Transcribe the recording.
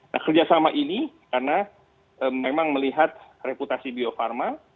nah kerjasama ini karena memang melihat reputasi bio farma